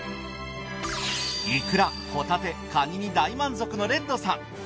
いくらホタテかにに大満足のレッドさん。